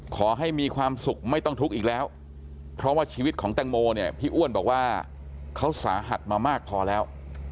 ขอให้มีความสุขไม่ต้องทุกข์อีกแล้วเพราะว่าชีวิตของแตงโมเนี่ยพี่อ้วนบอกว่าเขาสาหัสมามากพอแล้ว